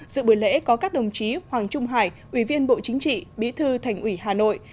dự buổi lễ có các đồng chí hoàng trung hải ủy viên bộ chính trị bí thư thành ủy hà nội